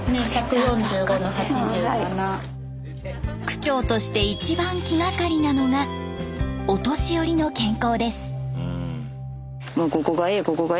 区長として一番気がかりなのがお年寄りの健康です。